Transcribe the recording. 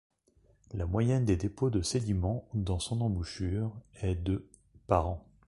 La moyenne des dépôts de sédiments dans son embouchure est de par an.